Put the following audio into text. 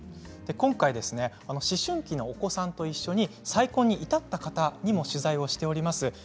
今回、思春期のお子さんと一緒に再婚に至った方にも取材をしております。